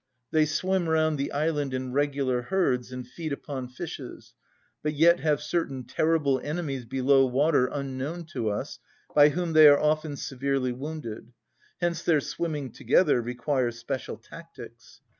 They swim round the island in regular herds and feed upon fishes, but yet have certain terrible enemies below water unknown to us, by whom they are often severely wounded; hence their swimming together requires special tactics.